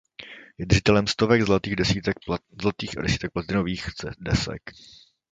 Je držitelem stovek zlatých a desítek platinových desek.